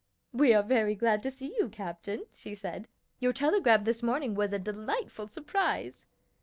"We are very glad to see you, captain," she said. "Your telegram this morning was a delightful surprise."